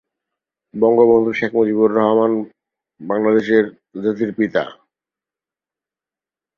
শ্রমিকদের ঐক্যবদ্ধ করা ছাড়াও শ্রম আন্দোলন শ্রমিকদের আরও বিভিন্ন ধরনের সমস্যা নিয়ে কাজ করা শুরু করেছে।